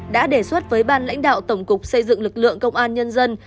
đã đề xuất với ban lãnh đạo tổng cục xây dựng lực lượng công an nhân dân